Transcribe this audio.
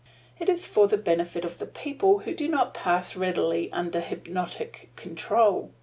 It is for the benefit of the people who do not pass readily under hypnotic control.